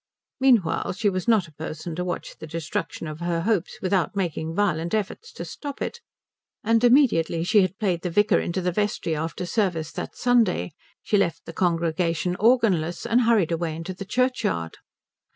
Meanwhile she was not a person to watch the destruction of her hopes without making violent efforts to stop it; and immediately she had played the vicar into the vestry after service that Sunday she left the congregation organless and hurried away into the churchyard.